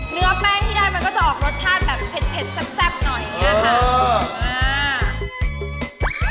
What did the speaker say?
เนื้อแป้งที่ได้มันก็จะออกรสชาติแบบเผ็ดแซ่บหน่อยอย่างนี้ค่ะ